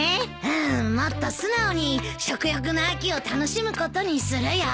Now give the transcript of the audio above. うんもっと素直に食欲の秋を楽しむことにするよ。